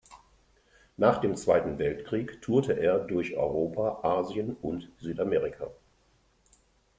Nach dem Zweiten Weltkrieg tourte er durch Europa, Asien und Südamerika.